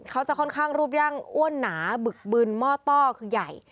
เขาจะค่อนข้างรูปร่างอ้วนหนาบึกบึนหม้อต้อคือใหญ่